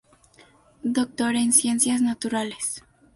Doctor en ciencias naturales.